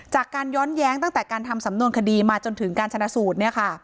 ย้อนแย้งตั้งแต่การทำสำนวนคดีมาจนถึงการชนะสูตร